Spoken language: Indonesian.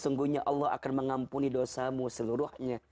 sesungguhnya allah akan mengampuni dosamu seluruhnya